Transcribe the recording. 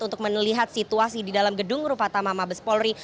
untuk melihat situasi di dalam gedung rupatama mabes polri